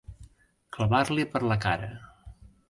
Clavar-li per la cara.